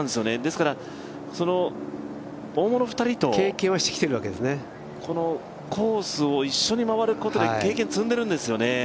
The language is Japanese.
ですから大物２人と、このコースを一緒に回ることで経験積んでるんですよね。